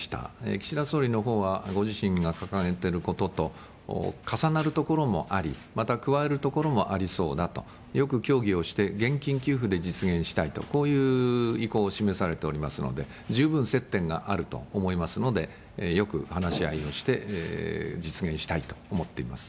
岸田総理のほうは、ご自身が掲げてることと重なるところもあり、また加えるところもありそうだと、よく協議をして現金給付で実現したいと、こういう意向を示されておりますので、十分接点があると思いますので、よく話し合いをして、実現したいと思っています。